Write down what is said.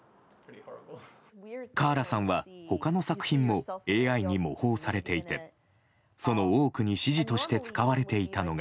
カーラさんは、他の作品もＡＩに模倣されていてその多くに指示として使われていたのが。